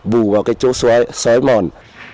bù vào cái chỗ xói mòn